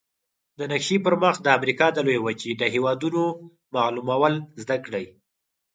د نقشي پر مخ د امریکا د لویې وچې د هېوادونو معلومول زده کړئ.